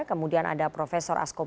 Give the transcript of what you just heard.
kemudian ada profesor asko mada